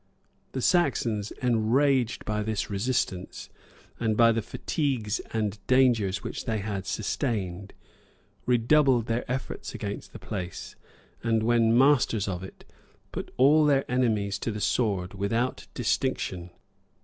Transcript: [*] The Saxons, enraged by this resistance, and by the fatigues and dangers which they had sustained, redoubled their efforts against the place; and, when masters of it, put all their enemies to the sword without distinction.